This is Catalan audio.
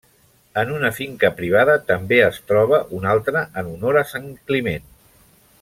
En una finca privada també es troba una altra en honor a Sant Climent.